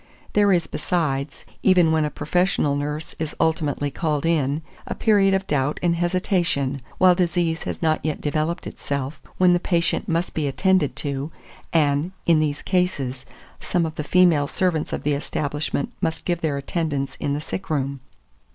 There is, besides, even when a professional nurse is ultimately called in, a period of doubt and hesitation, while disease has not yet developed itself, when the patient must be attended to; and, in these cases, some of the female servants of the establishment must give their attendance in the sick room.